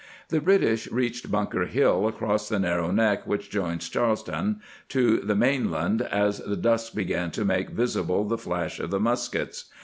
® The British reached Bunker Hill, across the narrow neck which joins Charlestown to the main land, as the dusk began to, make visible the flash of the muskets.